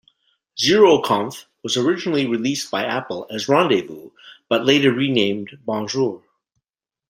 Zeroconf was originally released by Apple as Rendezvous, but later renamed Bonjour.